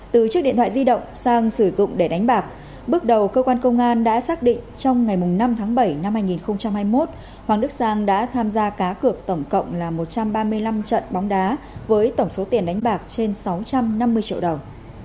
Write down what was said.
từ chiếc điện thoại di động sang sử dụng để đánh bạc bước đầu cơ quan công an đã xác định trong ngày năm tháng bảy năm hai nghìn hai mươi một hoàng đức sang đã tham gia cá cược tổng cộng là một trăm ba mươi năm trận bóng đá với tổng số tiền đánh bạc trên sáu trăm năm mươi triệu đồng